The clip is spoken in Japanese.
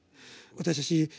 私たち